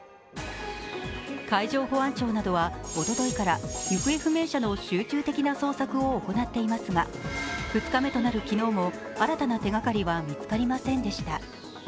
海上保安庁などはおとといから行方不明者の集中的な捜索を行っていますが、２日目となる昨日も、新たな手がかりは見つかりませんでした。